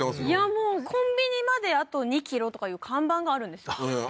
もうコンビニまであと２キロとかいう看板があるんですよ